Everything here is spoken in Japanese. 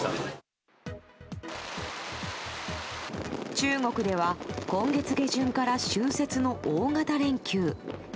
中国では今月下旬から春節の大型連休。